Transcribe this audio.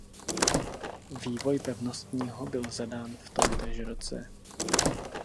Vývoj pevnostního byl zadán v tomtéž roce.